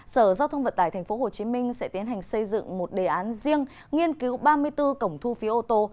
sở giao thông vận tải thành phố hồ chí minh sẽ tiến hành xây dựng một đề án riêng nghiên cứu ba mươi bốn cổng thu phí ô tô